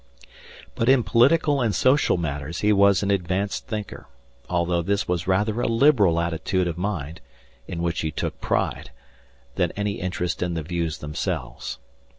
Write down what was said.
But in political and social matters he was an advanced thinker, although this was rather a liberal attitude of mind in which he took pride than any interest in the views themselves.